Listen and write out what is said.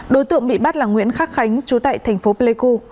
đối tượng bị bắt là nguyễn khắc khánh chú tại thành phố pleiku